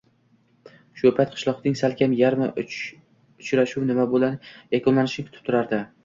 Shu payt qishloqning salkam yarmi uchrashuv nima bilan yakunlanishini kutib turardi.